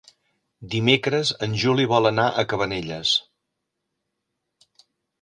Dimecres en Juli vol anar a Cabanelles.